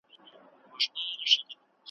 له همدې امله نن هم